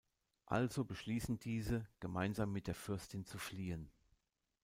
Also beschließen diese, gemeinsam mit der Fürstin zu fliehen.